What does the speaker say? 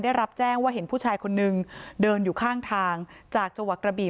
ได้รับแจ้งว่าเห็นผู้ชายคนนึงเดินอยู่ข้างทางจากจังหวัดกระบี่